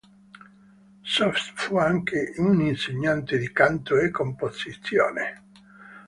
Soest fu anche un insegnante di canto e composizione.